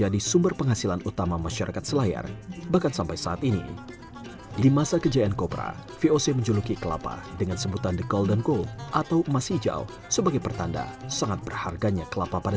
di selayar juga appendik pusialnya kami